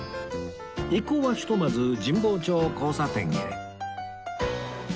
一行はひとまず神保町交差点へ